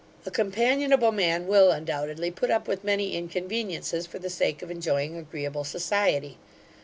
A companionable man will, undoubtedly put up with many inconveniences for the sake of enjoying agreeable society.